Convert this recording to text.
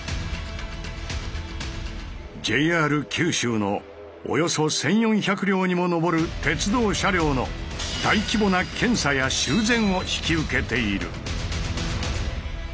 ＪＲ九州のおよそ１，４００両にも上る鉄道車両の大規模な検査や修繕を引き受けている。